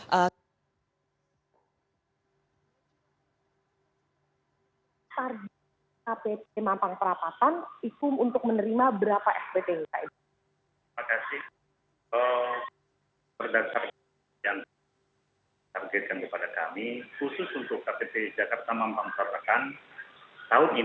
hpt mampang perapatan ikut untuk menerima berapa spt